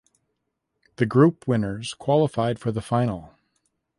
The group winners qualified for the final.